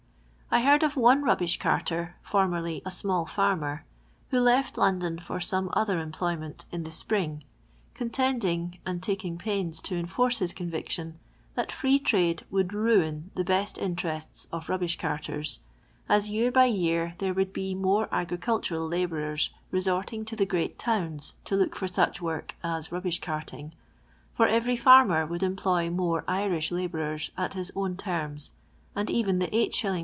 I ! heard of one rubbish carter, formerly a small farmer, who left London for some other t nipKij' ment, in the spring, contending, and taking pains to enforce his conviction, tiiat Free Trade would ruin the best interests of rubbish carters, as vtnir by year there would be more agricultural labourers resorting to the great towns to look for buch work as rubbish carting, for every farmer would employ more Irish labourers at his own terms, and even the Ss.